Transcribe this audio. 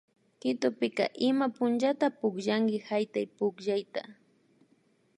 Quitopika ima punllata pukllanki haytaypukllayta